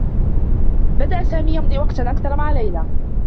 بدأ سامي يمضي وقتا أكثر مع ليلى.